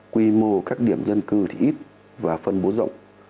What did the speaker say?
quy mô các điểm dân cư thì ít và phân bố rộng